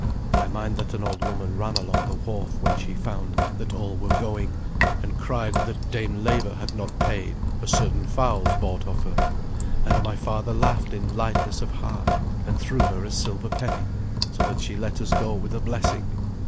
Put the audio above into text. I mind that an old woman ran along the wharf when she found that all were going, and cried that Dame Leva had not paid for certain fowls bought of her; and my father laughed in lightness of heart, and threw her a silver penny, so that she let us go with a blessing.